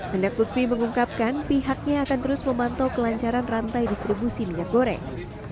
hendak lutfi mengungkapkan pihaknya akan terus memantau kelancaran rantai distribusi minyak goreng